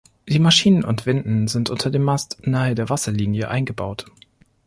Die Maschinen und Winden sind unter dem Mast nahe der Wasserlinie eingebaut.